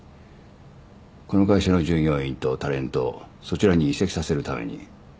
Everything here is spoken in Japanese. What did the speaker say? この会社の従業員とタレントをそちらに移籍させるために。